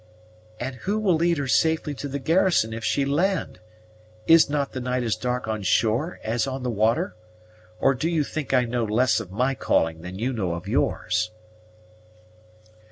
"And who will lead her safely to the garrison if she land? Is not the night as dark on shore as on the water? or do you think I know less of my calling than you know of yours?"